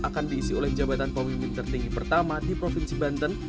akan diisi oleh jabatan pemimpin tertinggi pertama di provinsi banten